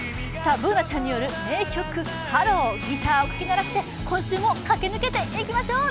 Ｂｏｏｎａちゃんによる名曲「ＨＥＬＬＯ」、ギターをかき鳴らして、今週も駆け抜けて行きましょう。